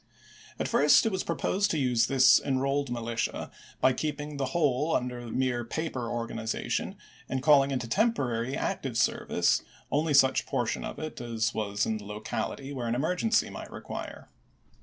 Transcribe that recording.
At first it was proposed to use this Enrolled Militia by keeping the whole under mere paper organization and calling into temporary active service only such portion of it as was in the local ity where an emergency might require.